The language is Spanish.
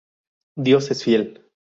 Dios es fiel.